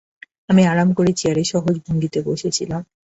আমি আরাম করে চেয়ারে সহজ ভঙ্গিতে বসে ছিলাম।